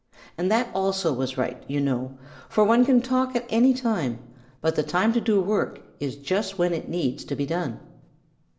And that also was right, you know, for one can talk at any time, but the time to do work is just when it needs to be done.